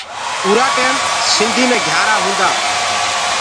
اُرآ ٽيم سنڌيٚ مي گھِيآرآ هونٚدآ۔